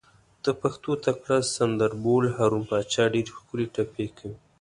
د پښتو تکړه سندر بول، هارون پاچا ډېرې ښکلې ټپې کوي.